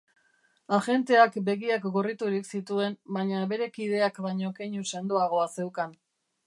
Agenteak begiak gorriturik zituen, baina bere kideak baino keinu sendoagoa zeukan.